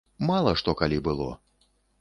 Мала што калі было.